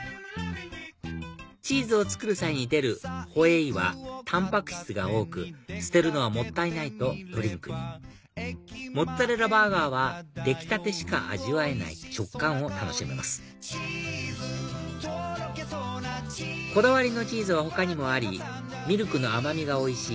チーズを作る際に出るホエーはタンパク質が多く捨てるのはもったいないとドリンクにモッツァレラバーガーは出来たてしか味わえない食感を楽しめますこだわりのチーズは他にもありミルクの甘みがおいしい